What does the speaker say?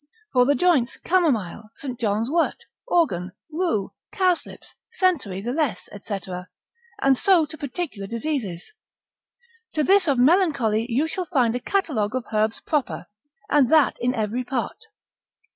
For the joints, camomile, St. John's wort, organ, rue, cowslips, centaury the less, &c. And so to peculiar diseases. To this of melancholy you shall find a catalogue of herbs proper, and that in every part.